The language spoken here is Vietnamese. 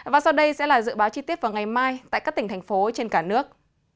và sau đây sẽ là dự báo chi tiết vào ngày mai tại các tỉnh thành phố trên cả nước